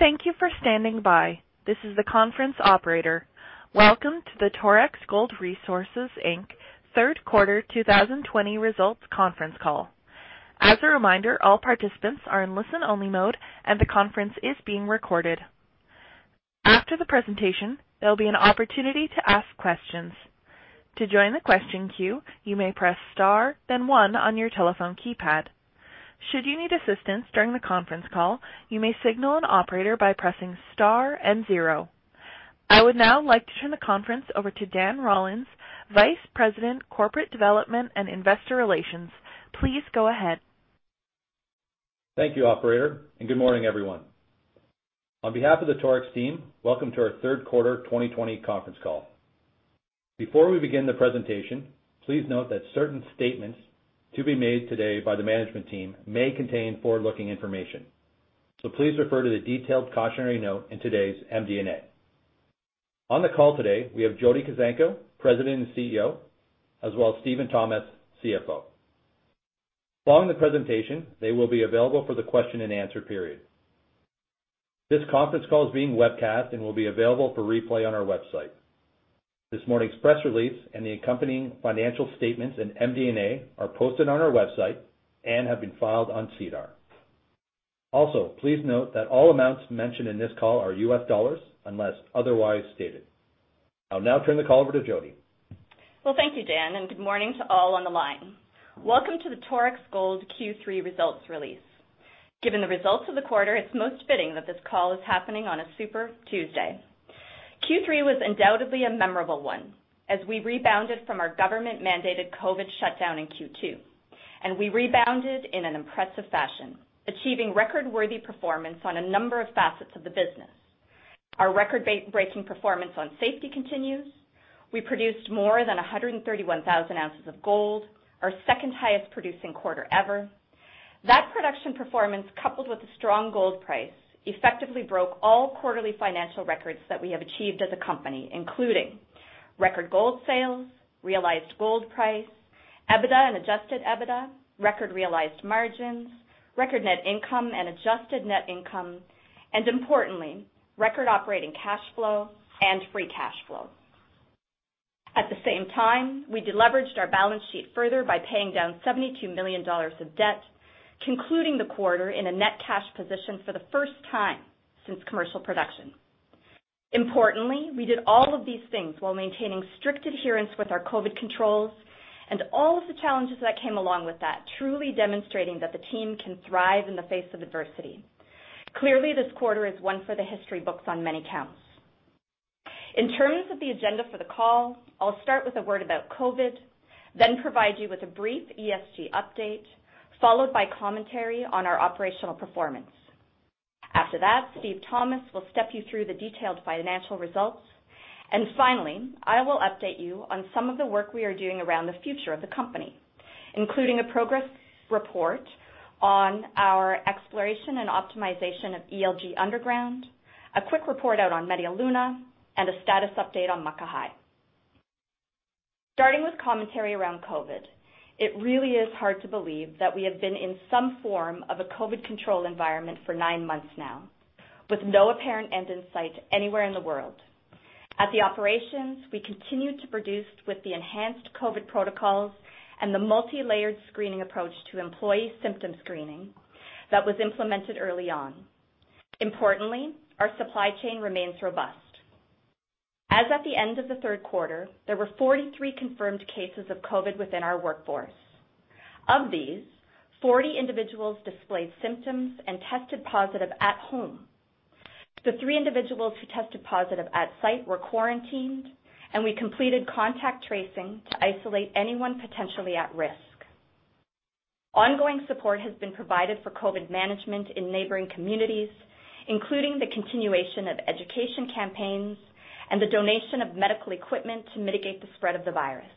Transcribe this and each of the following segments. Thank you for standing by. This is the conference operator. Welcome to the Torex Gold Resources Inc. third quarter 2020 results conference call. As a reminder, all participants are in listen-only mode, and the conference is being recorded. After the presentation, there'll be an opportunity to ask questions. To join the question queue, you may press star then one on your telephone keypad. Should you need assistance during the conference call, you may signal an operator by pressing star and zero. I would now like to turn the conference over to Dan Rollins, Vice President, Corporate Development and Investor Relations. Please go ahead. Thank you, operator, and good morning, everyone. On behalf of the Torex team, welcome to our third quarter 2020 conference call. Before we begin the presentation, please note that certain statements to be made today by the management team may contain forward-looking information. Please refer to the detailed cautionary note in today's MD&A. On the call today, we have Jody Kuzenko, President and CEO, as well as Steven Thomas, CFO. Following the presentation, they will be available for the question and answer period. This conference call is being webcast and will be available for replay on our website. This morning's press release and the accompanying financial statements and MD&A are posted on our website and have been filed on SEDAR. Please note that all amounts mentioned in this call are US dollars, unless otherwise stated. I'll now turn the call over to Jody. Thank you, Dan, and good morning to all on the line. Welcome to the Torex Gold Q3 results release. Given the results of the quarter, it's most fitting that this call is happening on a Super Tuesday. Q3 was undoubtedly a memorable one as we rebounded from our government-mandated COVID shutdown in Q2, and we rebounded in an impressive fashion, achieving record-worthy performance on a number of facets of the business. Our record-breaking performance on safety continues. We produced more than 131,000 ounces of gold, our second-highest producing quarter ever. That production performance, coupled with a strong gold price, effectively broke all quarterly financial records that we have achieved as a company, including record gold sales, realized gold price, EBITDA and adjusted EBITDA, record realized margins, record net income and adjusted net income, and importantly, record operating cash flow and free cash flow. At the same time, we deleveraged our balance sheet further by paying down $72 million of debt, concluding the quarter in a net cash position for the first time since commercial production. Importantly, we did all of these things while maintaining strict adherence with our COVID controls and all of the challenges that came along with that, truly demonstrating that the team can thrive in the face of adversity. Clearly, this quarter is one for the history books on many counts. In terms of the agenda for the call, I'll start with a word about COVID, then provide you with a brief ESG update, followed by commentary on our operational performance. After that, Steve Thomas will step you through the detailed financial results. Finally, I will update you on some of the work we are doing around the future of the company, including a progress report on our exploration and optimization of ELG underground, a quick report out on Media Luna, and a status update on Muckahi. Starting with commentary around COVID. It really is hard to believe that we have been in some form of a COVID control environment for nine months now with no apparent end in sight anywhere in the world. At the operations, we continued to produce with the enhanced COVID protocols and the multilayered screening approach to employee symptom screening that was implemented early on. Importantly, our supply chain remains robust. As at the end of the third quarter, there were 43 confirmed cases of COVID within our workforce. Of these, 40 individuals displayed symptoms and tested positive at home. The three individuals who tested positive at site were quarantined, and we completed contact tracing to isolate anyone potentially at risk. Ongoing support has been provided for COVID management in neighboring communities, including the continuation of education campaigns and the donation of medical equipment to mitigate the spread of the virus.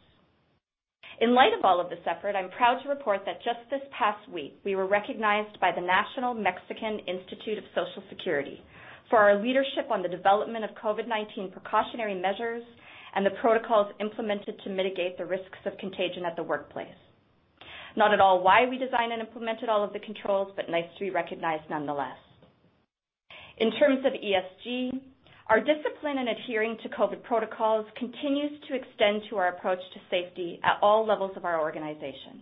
In light of all of this effort, I'm proud to report that just this past week, we were recognized by the Mexican Institute of Social Security for our leadership on the development of COVID-19 precautionary measures and the protocols implemented to mitigate the risks of contagion at the workplace. Not at all why we designed and implemented all of the controls, but nice to be recognized nonetheless. In terms of ESG, our discipline in adhering to COVID protocols continues to extend to our approach to safety at all levels of our organization.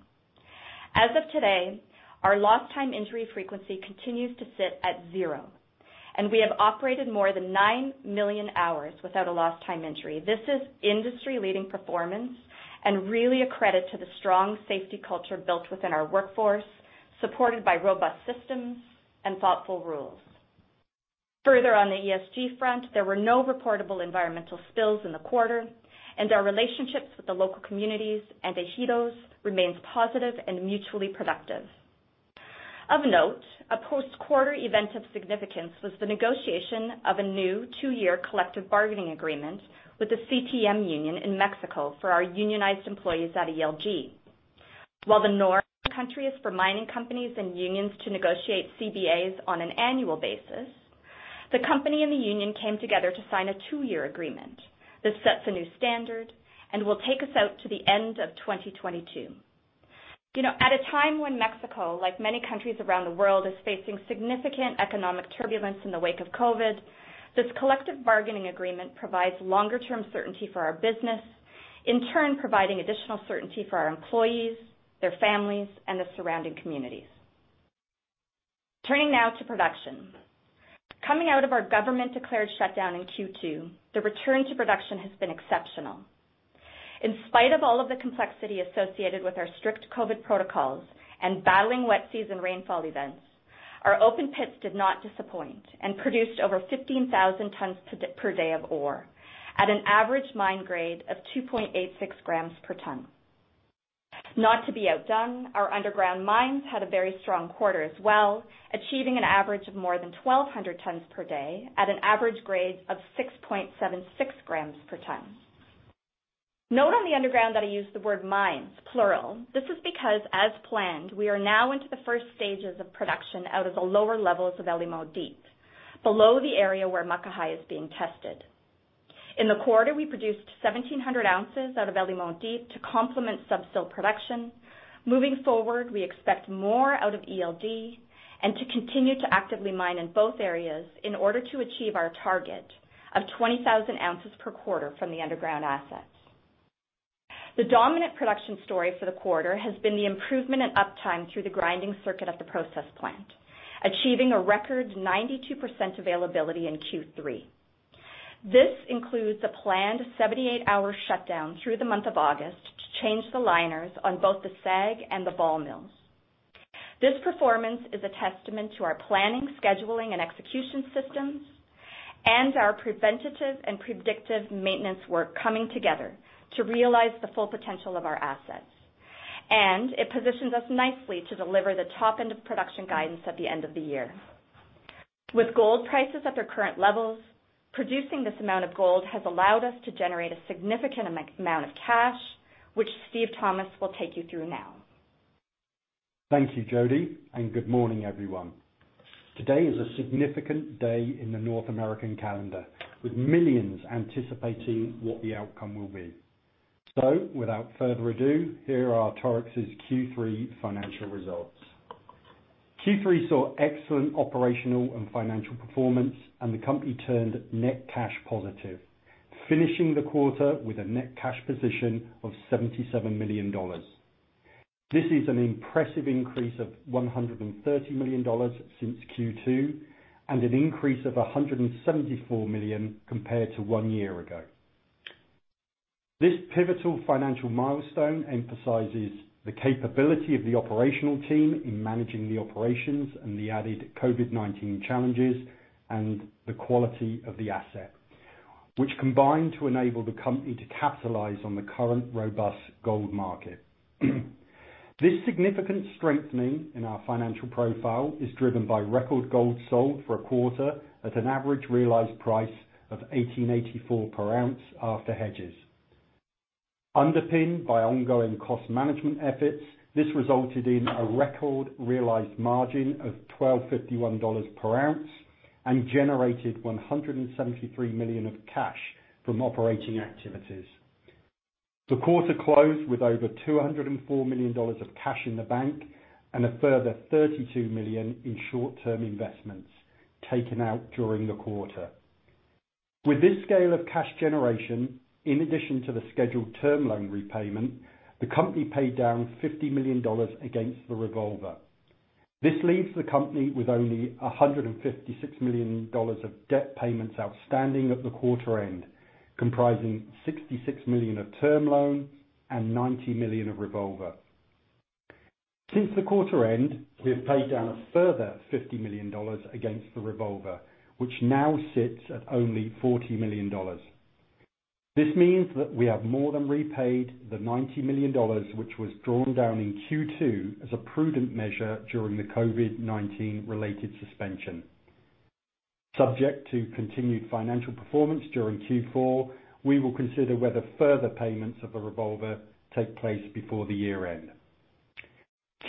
As of today, our lost time injury frequency continues to sit at zero, and we have operated more than nine million hours without a lost time injury. This is industry-leading performance and really a credit to the strong safety culture built within our workforce, supported by robust systems and thoughtful rules. Further on the ESG front, there were no reportable environmental spills in the quarter, and our relationships with the local communities and ejidos remains positive and mutually productive. Of note, a post-quarter event of significance was the negotiation of a new two-year collective bargaining agreement with the CTM Union in Mexico for our unionized employees at ELG. While the norm in the country is for mining companies and unions to negotiate CBAs on an annual basis, the company and the union came together to sign a two-year agreement. This sets a new standard and will take us out to the end of 2022. At a time when Mexico, like many countries around the world, is facing significant economic turbulence in the wake of COVID, this collective bargaining agreement provides longer-term certainty for our business, in turn providing additional certainty for our employees, their families, and the surrounding communities. Turning now to production. Coming out of our government-declared shutdown in Q2, the return to production has been exceptional. In spite of all of the complexity associated with our strict COVID protocols and battling wet season rainfall events, our open pits did not disappoint and produced over 15,000 tons per day of ore at an average mine grade of 2.86 grams per ton. Not to be outdone, our underground mines had a very strong quarter as well, achieving an average of more than 1,200 tons per day at an average grade of 6.76 grams per ton. Note on the underground that I used the word mines, plural. This is because, as planned, we are now into the first stages of production out of the lower levels of El Limon Deep, below the area where Muckahi is being tested. In the quarter, we produced 1,700 ounces out of El Limon Deep to complement sub-sill production. Moving forward, we expect more out of ELD and to continue to actively mine in both areas in order to achieve our target of 20,000 ounces per quarter from the underground assets. The dominant production story for the quarter has been the improvement in uptime through the grinding circuit of the process plant, achieving a record 92% availability in Q3. This includes a planned 78-hour shutdown through the month of August to change the liners on both the SAG and the ball mills. This performance is a testament to our planning, scheduling, and execution systems and our preventative and predictive maintenance work coming together to realize the full potential of our assets. It positions us nicely to deliver the top end of production guidance at the end of the year. With gold prices at their current levels, producing this amount of gold has allowed us to generate a significant amount of cash, which Steve Thomas will take you through now. Thank you, Jody, and good morning, everyone. Today is a significant day in the North American calendar, with millions anticipating what the outcome will be. Without further ado, here are Torex's Q3 financial results. Q3 saw excellent operational and financial performance, and the company turned net cash positive, finishing the quarter with a net cash position of $77 million. This is an impressive increase of $130 million since Q2 and an increase of $174 million compared to one year ago. This pivotal financial milestone emphasizes the capability of the operational team in managing the operations and the added COVID-19 challenges and the quality of the asset, which combined to enable the company to capitalize on the current robust gold market. This significant strengthening in our financial profile is driven by record gold sold for a quarter at an average realized price of $1,884 per ounce after hedges. Underpinned by ongoing cost management efforts, this resulted in a record realized margin of $1,251 per ounce and generated $173 million of cash from operating activities. The quarter closed with over $204 million of cash in the bank and a further $32 million in short-term investments taken out during the quarter. With this scale of cash generation, in addition to the scheduled term loan repayment, the company paid down $50 million against the revolver. This leaves the company with only $156 million of debt payments outstanding at the quarter end, comprising $66 million of term loan and $90 million of revolver. Since the quarter end, we have paid down a further $50 million against the revolver, which now sits at only $40 million. This means that we have more than repaid the $90 million, which was drawn down in Q2 as a prudent measure during the COVID-19 related suspension. Subject to continued financial performance during Q4, we will consider whether further payments of the revolver take place before the year end.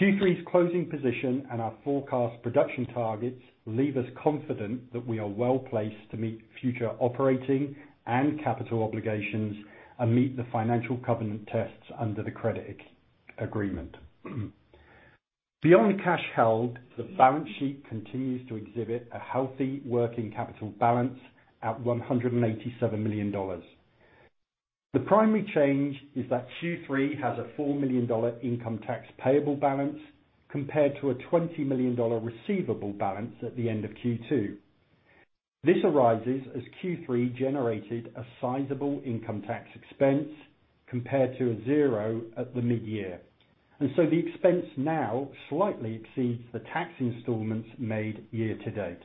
Q3's closing position and our forecast production targets leave us confident that we are well-placed to meet future operating and capital obligations and meet the financial covenant tests under the credit agreement. Beyond the cash held, the balance sheet continues to exhibit a healthy working capital balance at $187 million. The primary change is that Q3 has a $4 million income tax payable balance compared to a $20 million receivable balance at the end of Q2. This arises as Q3 generated a sizable income tax expense compared to a zero at the mid-year. The expense now slightly exceeds the tax installments made year to date.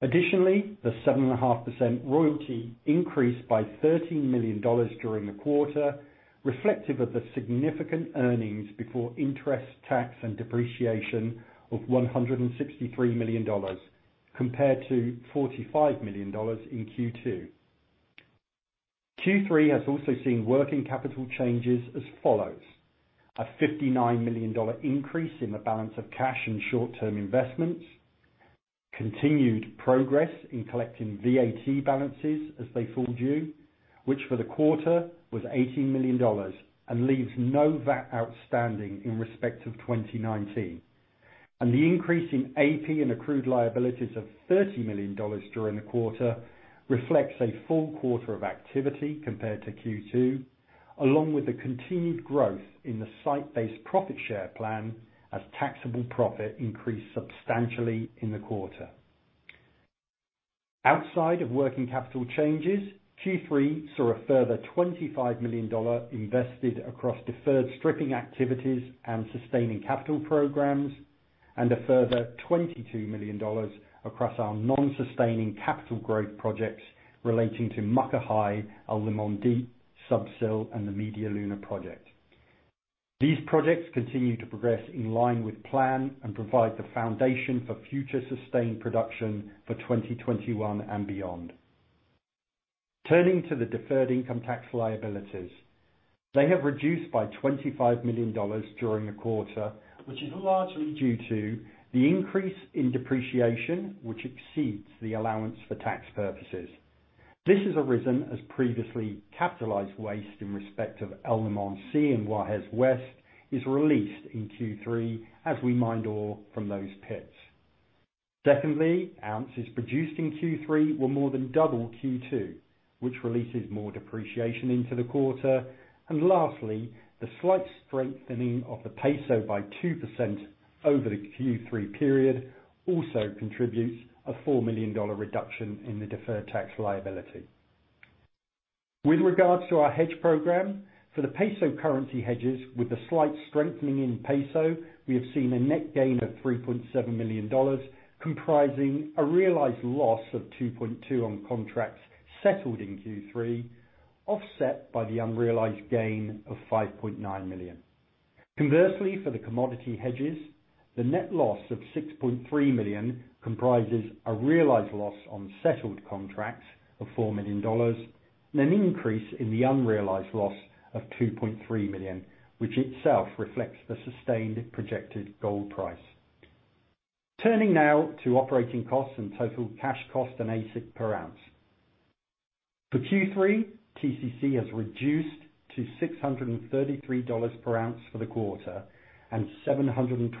Additionally, the 7.5% royalty increased by $13 million during the quarter, reflective of the significant earnings before interest, tax, and depreciation of $163 million compared to $45 million in Q2. Q3 has also seen working capital changes as follows: a $59 million increase in the balance of cash and short-term investments. Continued progress in collecting VAT balances as they fall due, which for the quarter was $18 million and leaves no VAT outstanding in respect of 2019. The increase in AP and accrued liabilities of $30 million during the quarter reflects a full quarter of activity compared to Q2, along with the continued growth in the site-based profit share plan as taxable profit increased substantially in the quarter. Outside of working capital changes, Q3 saw a further $25 million invested across deferred stripping activities and sustaining capital programs, a further $22 million across our non-sustaining capital growth projects relating to Muckahi, El Limon Deep, Sub-Sill, and the Media Luna project. These projects continue to progress in line with plan and provide the foundation for future sustained production for 2021 and beyond. Turning to the deferred income tax liabilities. They have reduced by $25 million during the quarter, which is largely due to the increase in depreciation, which exceeds the allowance for tax purposes. This has arisen as previously capitalized waste in respect of El Limón C and Guajes West is released in Q3 as we mined ore from those pits. Secondly, ounces produced in Q3 were more than double Q2, which releases more depreciation into the quarter. Lastly, the slight strengthening of the peso by 2% over the Q3 period also contributes a $4 million reduction in the deferred tax liability. With regards to our hedge program, for the peso currency hedges, with the slight strengthening in peso, we have seen a net gain of $3.7 million, comprising a realized loss of $2.2 million on contracts settled in Q3, offset by the unrealized gain of $5.9 million. Conversely, for the commodity hedges, the net loss of $6.3 million comprises a realized loss on settled contracts of $4 million and an increase in the unrealized loss of $2.3 million, which itself reflects the sustained projected gold price. Turning now to operating costs and total cash cost and AISC per ounce. For Q3, TCC has reduced to $633 per ounce for the quarter and $712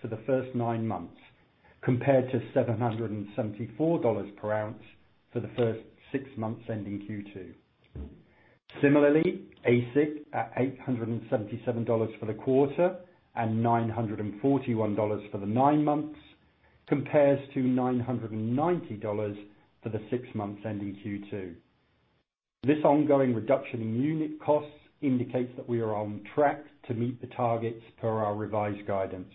for the first nine months, compared to $774 per ounce for the first six months ending Q2. Similarly, AISC at $877 for the quarter and $941 for the nine months compares to $990 for the six months ending Q2. This ongoing reduction in unit costs indicates that we are on track to meet the targets per our revised guidance.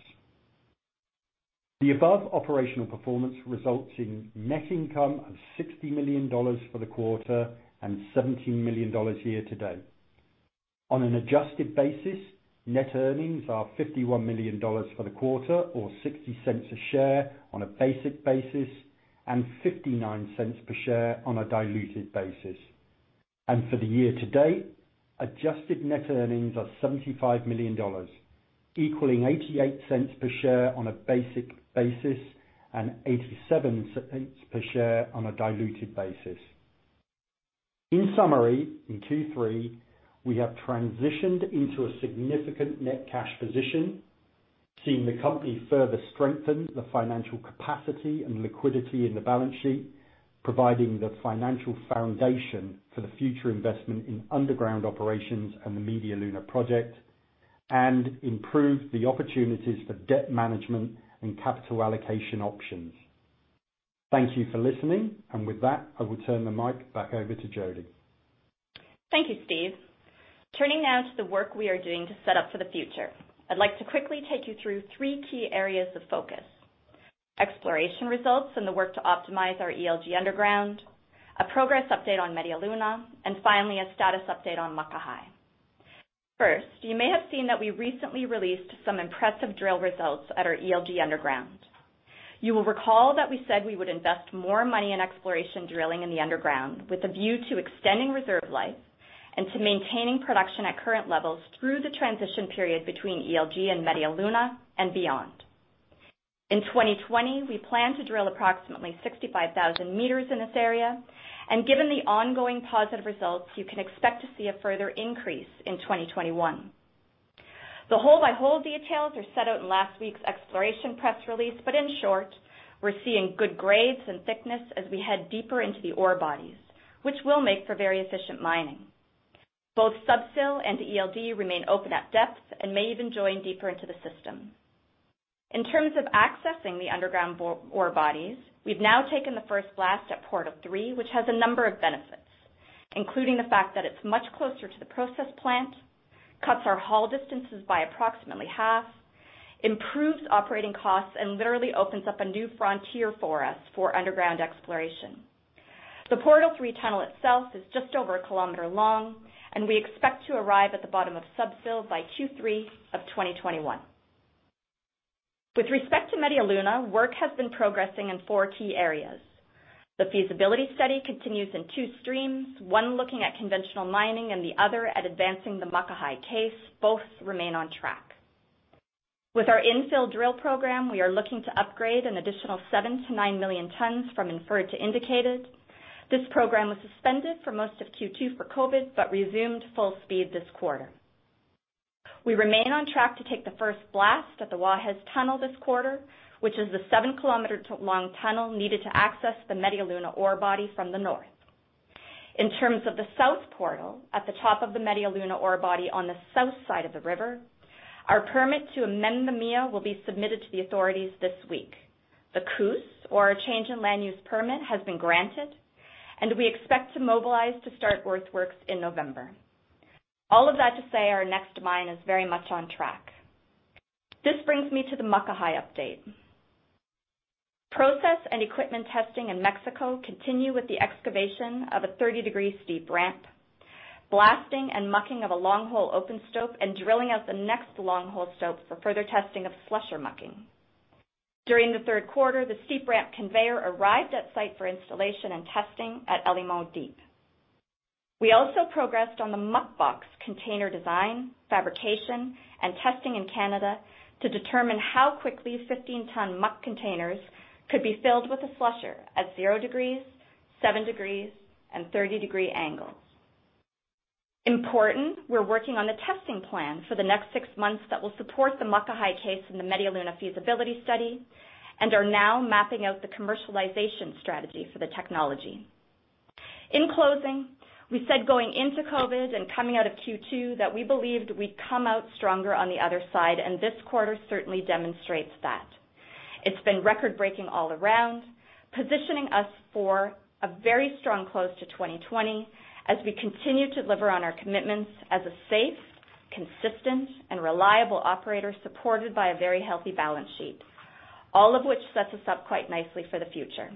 The above operational performance results in net income of $60 million for the quarter and $17 million year to date. On an adjusted basis, net earnings are $51 million for the quarter or $0.60 a share on a basic basis and $0.59 per share on a diluted basis. For the year to date, adjusted net earnings are $75 million, equaling $0.88 per share on a basic basis and $0.87 per share on a diluted basis. In summary, in Q3, we have transitioned into a significant net cash position, seeing the company further strengthen the financial capacity and liquidity in the balance sheet, providing the financial foundation for the future investment in underground operations and the Media Luna project and improve the opportunities for debt management and capital allocation options. Thank you for listening. With that, I will turn the mic back over to Jody. Thank you, Steve. Turning now to the work we are doing to set up for the future. I'd like to quickly take you through three key areas of focus. Exploration results and the work to optimize our ELG underground, a progress update on Media Luna, and finally, a status update on Muckahi. You may have seen that we recently released some impressive drill results at our ELG underground. You will recall that we said we would invest more money in exploration drilling in the underground with a view to extending reserve life and to maintaining production at current levels through the transition period between ELG and Media Luna and beyond. In 2020, we plan to drill approximately 65,000 meters in this area, and given the ongoing positive results, you can expect to see a further increase in 2021. The hole-by-hole details are set out in last week's exploration press release, but in short, we're seeing good grades and thickness as we head deeper into the ore bodies, which will make for very efficient mining. Both Sub-Sill and ELG remain open at depth and may even join deeper into the system. In terms of accessing the underground ore bodies, we've now taken the first blast at Portal 3, which has a number of benefits, including the fact that it's much closer to the process plant, cuts our haul distances by approximately half, improves operating costs, and literally opens up a new frontier for us for underground exploration. The Portal 3 tunnel itself is just over a kilometer long, and we expect to arrive at the bottom of Sub-Sill by Q3 of 2021. With respect to Media Luna, work has been progressing in four key areas. The feasibility study continues in two streams, one looking at conventional mining and the other at advancing the Muckahi case. Both remain on track. With our infill drill program, we are looking to upgrade an additional seven to nine million tons from inferred to indicated. This program was suspended for most of Q2 for COVID, but resumed full speed this quarter. We remain on track to take the first blast at the Guajes Tunnel this quarter, which is the seven-kilometer long tunnel needed to access the Media Luna ore body from the north. In terms of the south portal, at the top of the Media Luna ore body on the south side of the river, our permit to amend the MIA will be submitted to the authorities this week. The CUS, or change in land use permit, has been granted, and we expect to mobilize to start earthworks in November. All of that to say, our next mine is very much on track. This brings me to the Muckahi update. Process and equipment testing in Mexico continue with the excavation of a 30-degree steep ramp, blasting and mucking of a long-hole open stope, and drilling out the next long-hole stope for further testing of slusher mucking. During the third quarter, the steep ramp conveyor arrived at site for installation and testing at El Limon Deep. We also progressed on the Muck Box container design, fabrication, and testing in Canada to determine how quickly 15-ton muck containers could be filled with a slusher at 0 degrees, 7 degrees, and 30-degree angles. Important, we're working on the testing plan for the next six months that will support the Muckahi case and the Media Luna feasibility study and are now mapping out the commercialization strategy for the technology. In closing, we said going into COVID and coming out of Q2 that we believed we'd come out stronger on the other side, and this quarter certainly demonstrates that. It's been record-breaking all around, positioning us for a very strong close to 2020 as we continue to deliver on our commitments as a safe, consistent, and reliable operator supported by a very healthy balance sheet. All of which sets us up quite nicely for the future.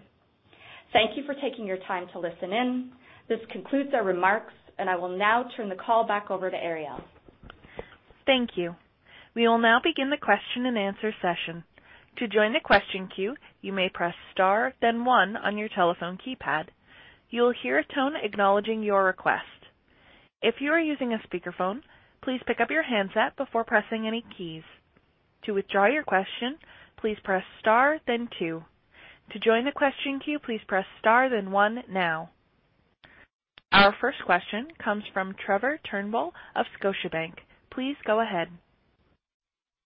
Thank you for taking your time to listen in. This concludes our remarks, and I will now turn the call back over to Ariel. Thank you. We will now begin the question and answer session. To join the question queue, you may press star then one on your telephone keypad. You will hear a tone acknowledging your request. If you are using a speakerphone, please pickup your handset before pressing any keys. To withdraw your question, please press star then two. To join the question queue, please press star then one now. Our first question comes from Trevor Turnbull of Scotiabank. Please go ahead.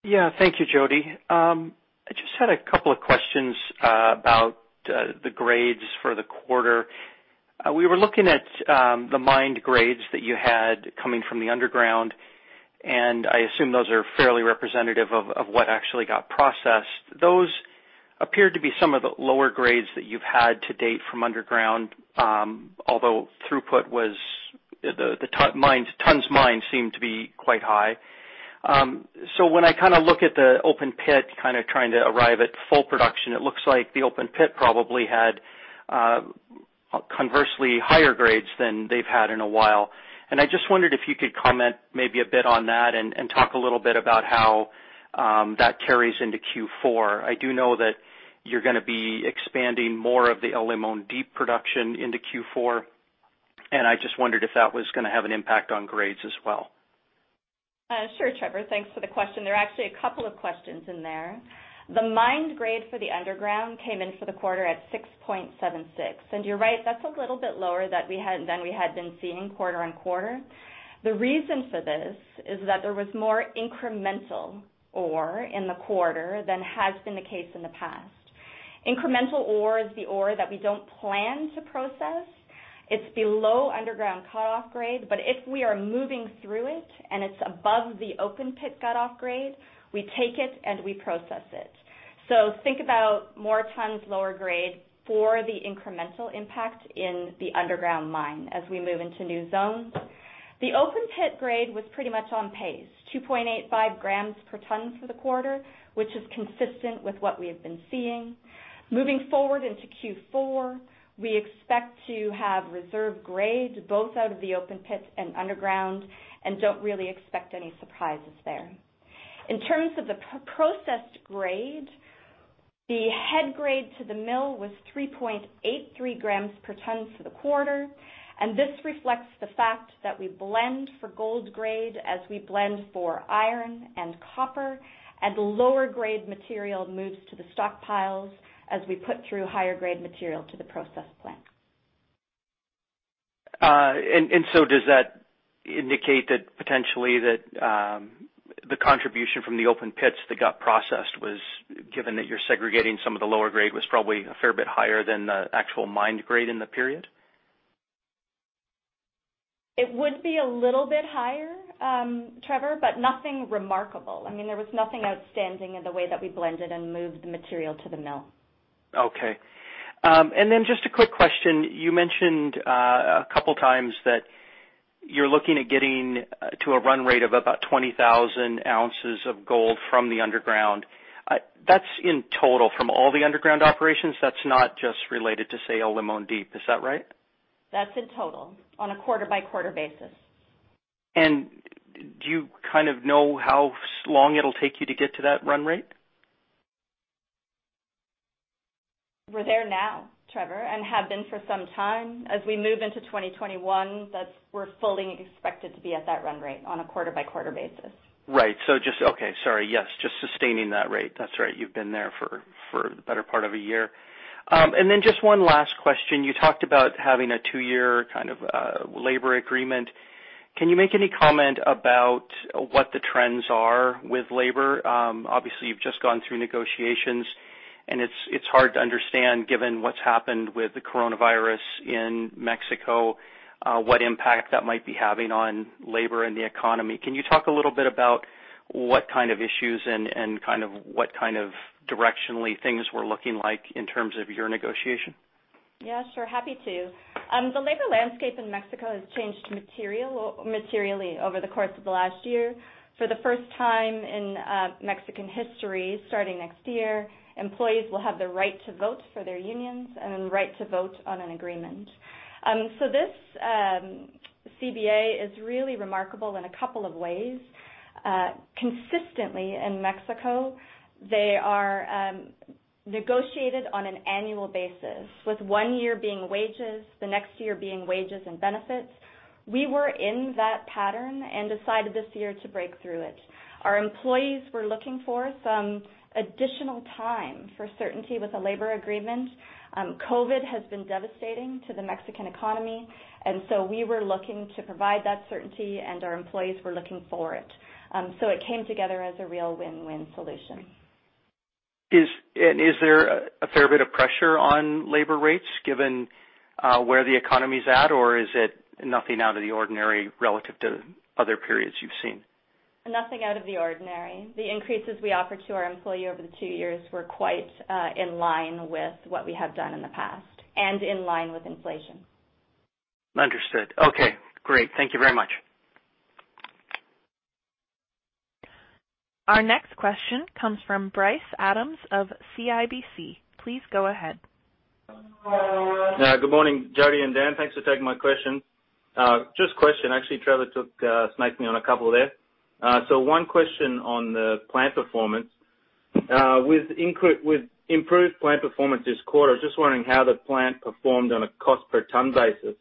Yeah. Thank you, Jody. I just had a couple of questions about the grades for the quarter. We were looking at the mined grades that you had coming from the underground, and I assume those are fairly representative of what actually got processed. Those appear to be some of the lower grades that you've had to date from underground, although throughput was the tons mined seemed to be quite high. When I look at the open pit, trying to arrive at full production, it looks like the open pit probably had conversely higher grades than they've had in a while, and I just wondered if you could comment maybe a bit on that and talk a little bit about how that carries into Q4. I do know that you're going to be expanding more of the El Limon Deep production into Q4, and I just wondered if that was going to have an impact on grades as well? Sure, Trevor. Thanks for the question. There are actually a couple of questions in there. The mined grade for the underground came in for the quarter at 6.76 grams per ton, and you're right, that's a little bit lower than we had been seeing quarter-on-quarter. The reason for this is that there was more incremental ore in the quarter than has been the case in the past. Incremental ore is the ore that we don't plan to process. It's below underground cut-off grade, but if we are moving through it and it's above the open pit cut-off grade, we take it and we process it. Think about more tons, lower grade for the incremental impact in the underground mine as we move into new zones. The open pit grade was pretty much on pace, 2.85 grams per ton for the quarter, which is consistent with what we have been seeing. Moving forward into Q4, we expect to have reserve grades both out of the open pits and underground and don't really expect any surprises there. In terms of the processed grade, the head grade to the mill was 3.83 grams per ton for the quarter, and this reflects the fact that we blend for gold grade as we blend for iron and copper, and lower grade material moves to the stockpiles as we put through higher grade material to the process plant. Does that indicate that potentially the contribution from the open pits that got processed was, given that you're segregating some of the lower grade, was probably a fair bit higher than the actual mined grade in the period? It would be a little bit higher, Trevor, but nothing remarkable. There was nothing outstanding in the way that we blended and moved the material to the mill. Okay. Just a quick question. You mentioned a couple of times that you're looking at getting to a run rate of about 20,000 ounces of gold from the underground. That's in total from all the underground operations. That's not just related to, say, El Limon Deep. Is that right? That's in total, on a quarter-by-quarter basis. Do you know how long it'll take you to get to that run rate? We're there now, Trevor, and have been for some time. As we move into 2021, we're fully expected to be at that run rate on a quarter-by-quarter basis. Right. Okay, sorry. Yes, just sustaining that rate. That's right. You've been there for the better part of a year. Just one last question. You talked about having a two-year labor agreement. Can you make any comment about what the trends are with labor? Obviously, you've just gone through negotiations, and it's hard to understand, given what's happened with the Corona Virus in Mexico, what impact that might be having on labor and the economy. Can you talk a little bit about what kind of issues and what kind of directionally things were looking like in terms of your negotiation? Yeah, sure. Happy to. The labor landscape in Mexico has changed materially over the course of the last year. For the first time in Mexican history, starting next year, employees will have the right to vote for their unions and the right to vote on an agreement. This CBA is really remarkable in a couple of ways. Consistently in Mexico, they are negotiated on an annual basis, with one year being wages, the next year being wages and benefits. We were in that pattern and decided this year to break through it. Our employees were looking for some additional time for certainty with the labor agreement. COVID has been devastating to the Mexican economy, and so we were looking to provide that certainty, and our employees were looking for it. It came together as a real win-win solution. Is there a fair bit of pressure on labor rates given where the economy's at, or is it nothing out of the ordinary relative to other periods you've seen? Nothing out of the ordinary. The increases we offered to our employee over the two years were quite in line with what we have done in the past and in line with inflation. Understood. Okay, great. Thank you very much. Our next question comes from Bryce Adams of CIBC. Please go ahead. Good morning, Jody and Dan. Thanks for taking my question. Just a question, actually, Trevor snaked me on a couple there. One question on the plant performance. With improved plant performance this quarter, I was just wondering how the plant performed on a cost per ton basis.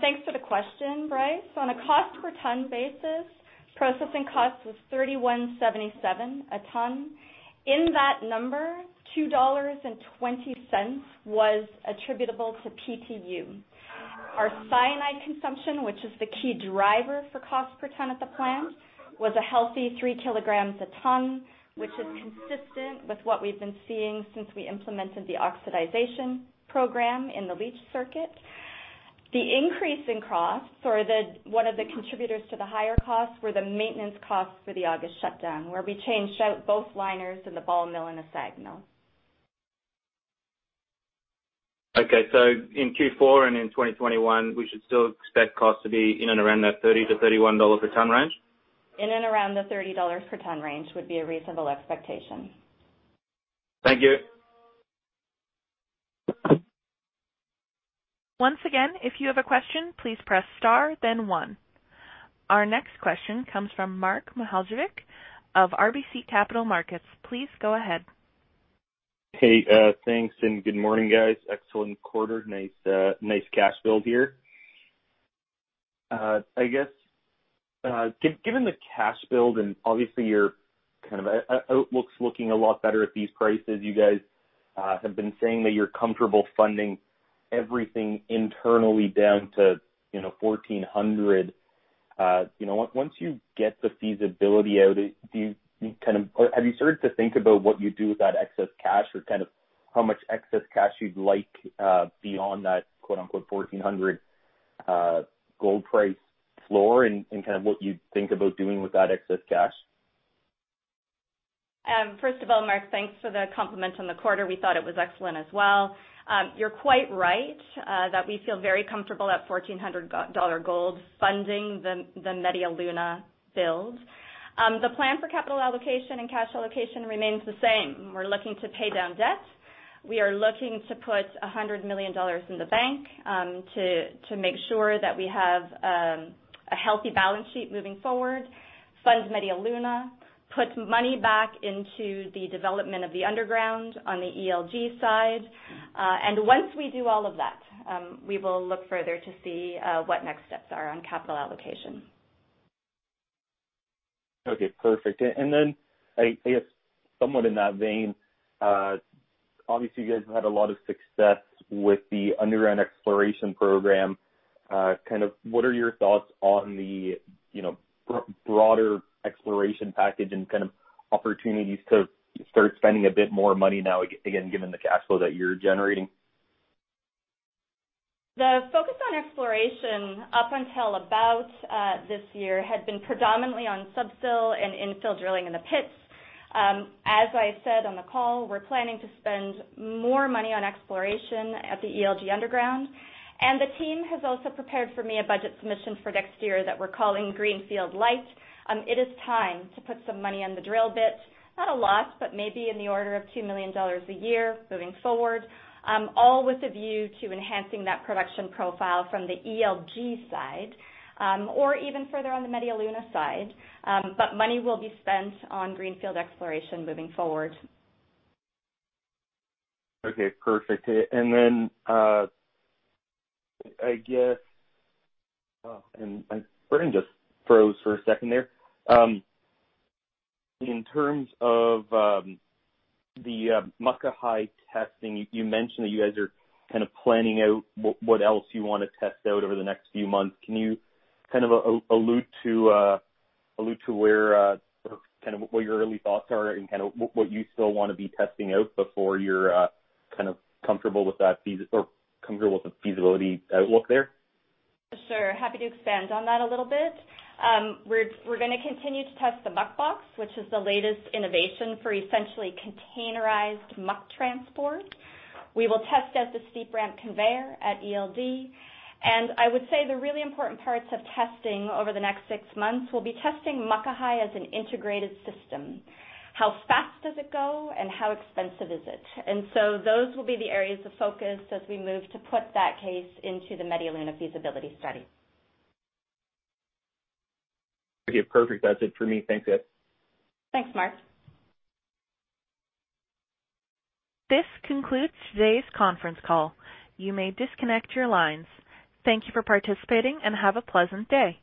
Thanks for the question, Bryce. On a cost per ton basis, processing cost was $31.77 a ton. In that number, $2.20 was attributable to PTU. Our cyanide consumption, which is the key driver for cost per ton at the plant, was a healthy three kilograms a ton, which is consistent with what we've been seeing since we implemented the oxidation program in the leach circuit. The increase in costs, or one of the contributors to the higher costs, were the maintenance costs for the August shutdown, where we changed out both liners in the ball mill and the SAG mill. Okay. In Q4 and in 2021, we should still expect costs to be in and around that $30-$31 per ton range? In and around the $30 per ton range would be a reasonable expectation. Thank you. Once again, if you have a question, please press star then one. Our next question comes from Mark Mihaljevic of RBC Capital Markets. Please go ahead. Hey, thanks, and good morning, guys. Excellent quarter. Nice cash build here. I guess, given the cash build, and obviously your outlook's looking a lot better at these prices. You guys have been saying that you're comfortable funding everything internally down to $1,400. Once you get the feasibility out, have you started to think about what you do with that excess cash or how much excess cash you'd like beyond that, quote-unquote, "$1,400 gold price floor" and what you'd think about doing with that excess cash? First of all, Mark, thanks for the compliment on the quarter. We thought it was excellent as well. You're quite right that we feel very comfortable at $1,400 gold funding the Media Luna build. The plan for capital allocation and cash allocation remains the same. We're looking to pay down debt. We are looking to put $100 million in the bank to make sure that we have a healthy balance sheet moving forward, fund Media Luna, put money back into the development of the underground on the ELG side. Once we do all of that, we will look further to see what next steps are on capital allocation. Okay, perfect. Then, I guess somewhat in that vein, obviously you guys have had a lot of success with the underground exploration program. What are your thoughts on the broader exploration package and opportunities to start spending a bit more money now, again, given the cash flow that you're generating? The focus on exploration up until about this year had been predominantly on sub-sill and infill drilling in the pits. As I said on the call, we're planning to spend more money on exploration at the ELG underground, and the team has also prepared for me a budget submission for next year that we're calling Greenfield Light. It is time to put some money on the drill bit. Not a lot, but maybe in the order of $2 million a year moving forward, all with a view to enhancing that production profile from the ELG side or even further on the Media Luna side. Money will be spent on greenfield exploration moving forward. Okay, perfect. I guess my brain just froze for a second there. In terms of the Muckahi testing, you mentioned that you guys are planning out what else you want to test out over the next few months. Can you allude to what your early thoughts are and what you still want to be testing out before you're comfortable with the feasibility outlook there? Sure. Happy to expand on that a little bit. We're going to continue to test the Muck Box, which is the latest innovation for essentially containerized muck transport. We will test out the steep ramp conveyor at ELD. I would say the really important parts of testing over the next six months will be testing Muckahi as an integrated system. How fast does it go and how expensive is it? Those will be the areas of focus as we move to put that case into the Media Luna feasibility study. Okay, perfect. That's it for me. Thanks. Thanks, Mark. This concludes today's conference call. You may disconnect your lines. Thank you for participating and have a pleasant day.